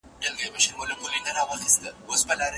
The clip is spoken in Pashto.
که ړوند ډاکټر په ګڼ ځای کي اوږده کیسه وکړي، ټول